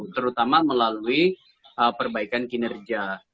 terutama melalui perbaikan kinerja